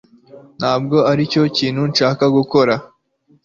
ntabwo aricyo kintu nshaka gukora